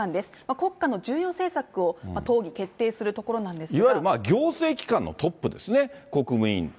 国家の重要政策を討議、いわゆる行政機関のトップですね、国務委員。